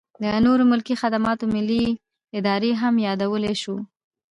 د نورو ملکي خدماتو ملي ادارې هم یادولی شو.